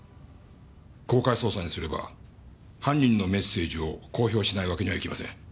公開捜査にすれば犯人のメッセージを公表しないわけにはいきません。